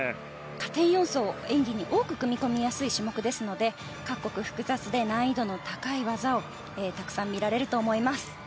加点要素演技に多く組み込みやすい種目ですので各国、複雑で難易度の高い技がたくさん見られると思います。